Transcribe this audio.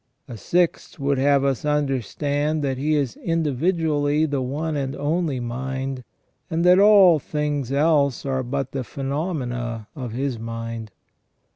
A sixth would have us understand that he is individually the one and only mind, and that all things else are but the phenomena of his mind.